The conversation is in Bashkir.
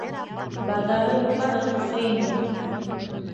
Баҙары юғары Хөсәйендең.